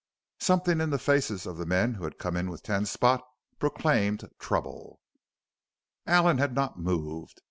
Something in the faces of the men who had come in with Ten Spot proclaimed trouble. Allen had not moved.